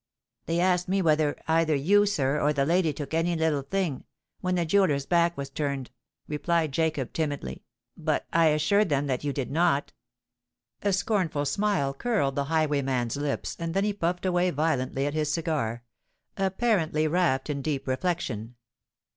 "They asked me whether either you, sir, or the lady took any little thing—when the jeweller's back was turned," replied Jacob, timidly; "but I assured them that you did not." A scornful smile curled the highwayman's lips and then he puffed away violently at his cigar—apparently wrapped in deep reflection.